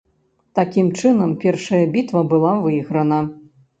Такім чынам, першая бітва была выйграна.